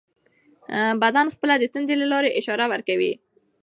بدن خپله د تندې له لارې اشاره ورکوي.